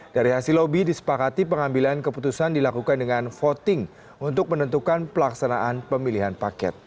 dari hasil lobby disepakati pengambilan keputusan dilakukan dengan voting untuk menentukan pelaksanaan pemilihan paket